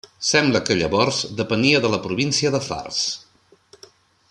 Sembla que llavors depenia de la província de Fars.